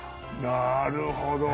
なるほど。